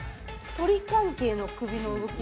鳥関係の首の動き。